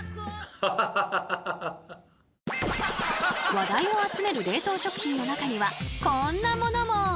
話題を集める冷凍食品の中にはこんなものも！